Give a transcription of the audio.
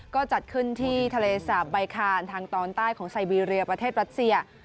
ก็จัดขึ้นที่ทะเลสาบใบคานทางตอนใต้ของไซบีเรียประเทศรัสเซีย